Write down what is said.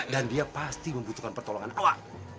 dan dia pasti membutuhkan pertolongan tuhan